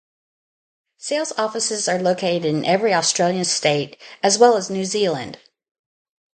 Sales offices are located in every Australian state as well as New Zealand.